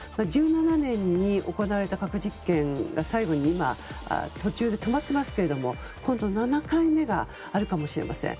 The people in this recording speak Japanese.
１７年に行われた核実験を最後に今、途中で止まっていますけど今度は７回目があるかもしれません。